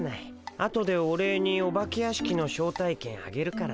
あとでお礼にお化け屋敷の招待券あげるからさハハッ。